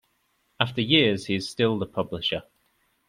After years, he is still the publisher.